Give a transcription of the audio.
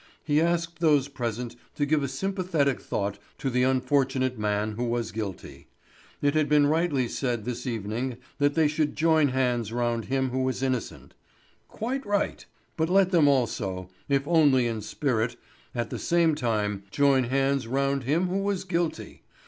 He asked those present to give a sympathetic thought to the unfortunate man who was guilty. It had been rightly said this evening that they should join hands round him who is innocent. Quite right! But let them also, if only in spirit, at the same time join hands round him who was guilty.